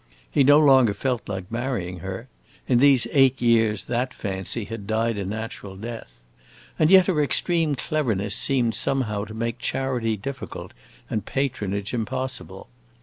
He no longer felt like marrying her: in these eight years that fancy had died a natural death. And yet her extreme cleverness seemed somehow to make charity difficult and patronage impossible.